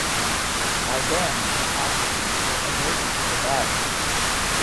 By then the Austrians were alerted to the battle.